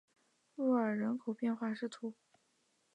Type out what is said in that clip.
若尔人口变化图示